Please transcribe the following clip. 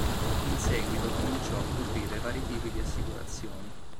In seguito cominciò a coprire vari tipi di assicurazioni.